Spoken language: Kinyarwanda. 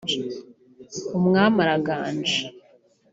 umwami araganje